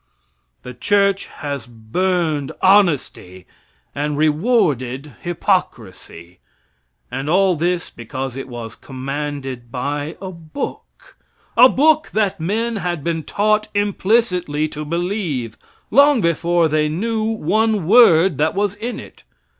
The church has burned honesty and rewarded hypocrisy. And all this, because it was commanded by a book a book that men had been taught implicitly to believe, long before they knew one word that was in it.